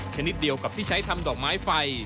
ชนิดเดียวกับที่ใช้ทำดอกไม้ไฟ